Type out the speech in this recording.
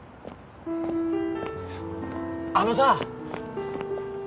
あのさ！